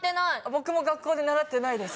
僕も学校で習ってないです。